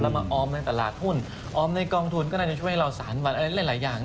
มาออมในตลาดหุ้นออมในกองทุนก็น่าจะช่วยเราสารวันอะไรหลายอย่าง